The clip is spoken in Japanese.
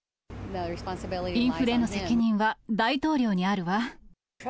インフレの責任は大統領にあるわ。